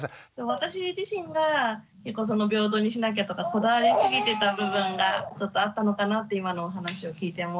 私自身が結構平等にしなきゃとかこだわりすぎてた部分がちょっとあったのかなって今のお話を聞いて思って。